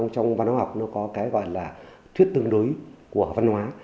trong văn hóa học nó có cái gọi là thuyết tương đối của văn hóa